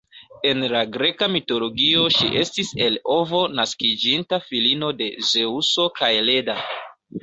En la greka mitologio ŝi estis el ovo naskiĝinta filino de Zeŭso kaj Leda.